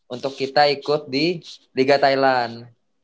untuk kita ikut di liga thailand